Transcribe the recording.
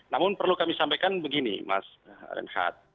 namun perlu kami sampaikan begini mas renhat